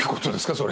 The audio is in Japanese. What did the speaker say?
それ。